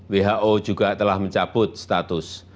who juga telah mencabut status